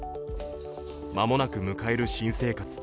間もなく迎える新生活。